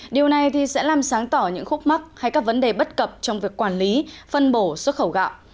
điều này sẽ làm sáng tỏ những khúc mắc hay các vấn đề bất cập trong việc quản lý phân bổ xuất khẩu gạo